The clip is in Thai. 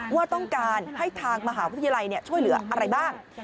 ว่าต้องการให้ทางมหาวิทยาลัยช่วยเหลืออะไรบ้าง